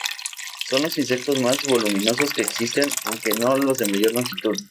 Son los insectos más voluminosos que existen, aunque no los de mayor longitud.